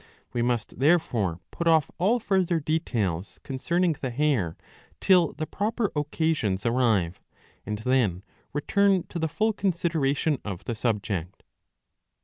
We must therefore put off all further details concerning the hair till the proper occasions arrive and then return to the full consideration of the subject.'